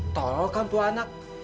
tol kan tuh anak